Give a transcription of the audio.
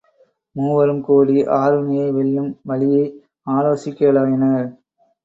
மூவரும் கூடி, ஆருணியை வெல்லும் வழியை ஆலோசிக்கலாயினர்.